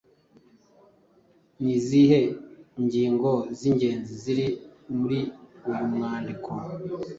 Ni izihe ngingo z’ingenzi ziri muri uyu mwandiko?